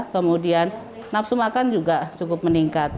kemudian nafsu makan juga cukup meningkat